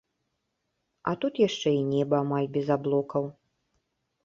А тут яшчэ і неба амаль без аблокаў.